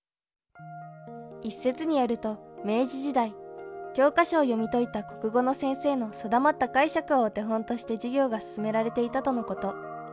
一説によると明治時代教科書を読み解いた国語の先生の定まった解釈をお手本として授業が進められていたとのこと。